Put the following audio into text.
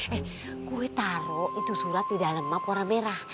eh gue taruh itu surat di dalam map warna merah